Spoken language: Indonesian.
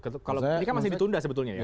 ini kan masih ditunda sebetulnya ya